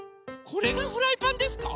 これがフライパンですか？